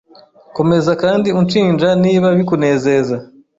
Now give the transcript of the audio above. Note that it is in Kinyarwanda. Komeza kandi unshinja niba bikunezeza .